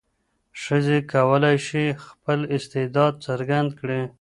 ښځې کولای شي خپل استعداد څرګند کړي.